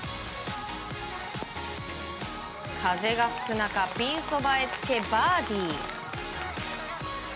風が吹く中ピンそばへつけバーディー。